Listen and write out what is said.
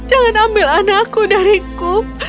jangan ambil anakku dariku